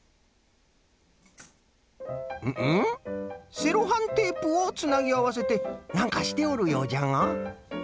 セロハンテープをつなぎあわせてなんかしておるようじゃが。